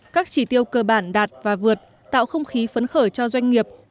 các chỉ tiêu cơ bản đạt và vượt tạo không khí phấn khởi cho doanh nghiệp